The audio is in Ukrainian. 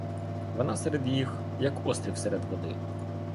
Вона серед їх, як острів серед води.